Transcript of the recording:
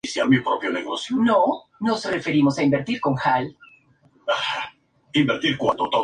Sin embargo, sus cuarteles generales estaban en Ottawa.